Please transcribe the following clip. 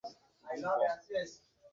ঝামেলা করা বন্ধ কর।